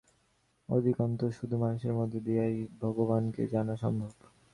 অধিকন্তু শুধু মানুষের মধ্য দিয়াই ভগবানকে জানা সম্ভব।